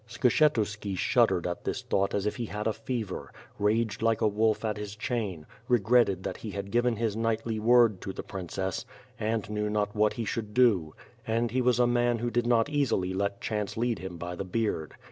Skshetuski shuddered at this thought as if he had a fever; raged like a wolf at his chain; regretted that he had given his WITB FIRE AND SWORD. gj knightly word to the princess — and knew not what he should do. And he was a man who did not easily let chance lead him hy the beard.